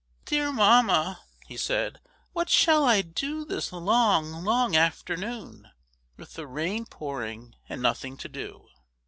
"Dear Mamma!" he said, "what shall I do this long, long afternoon, with the rain pouring and nothing to do?"